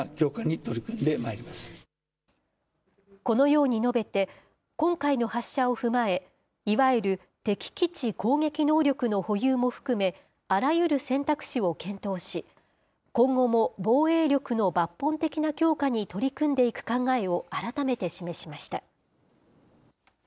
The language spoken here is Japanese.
このように述べて、今回の発射を踏まえ、いわゆる敵基地攻撃能力の保有も含め、あらゆる選択肢を検討し、今後も防衛力の抜本的な強化に取り組んでいく考えを改めて示しました。